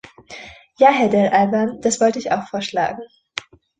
Ja, Herr Dell´Alba, das wollte ich auch vorschlagen.